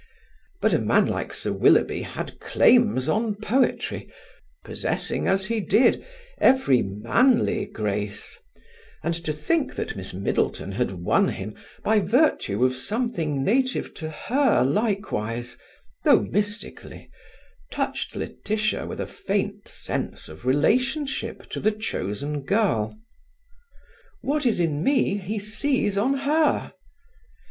But a man like Sir Willoughby had claims on poetry, possessing as he did every manly grace; and to think that Miss Middleton had won him by virtue of something native to her likewise, though mystically, touched Laetitia with a faint sense of relationship to the chosen girl. "What is in me, he sees on her."